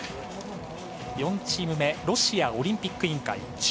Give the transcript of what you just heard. ４チーム目ロシアオリンピック委員会。